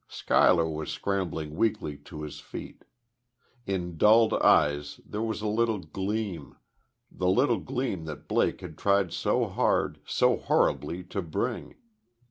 Schuyler was scrambling weakly to his feet. In dulled eyes there was a little gleam the little gleam that Blake had tried so hard, so horribly, to bring.